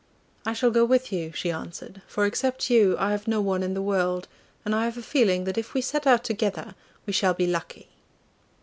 'I shall go with you,' she answered, 'for, except you, I have no one in the world, and I have a feeling that if we set out together we shall be lucky.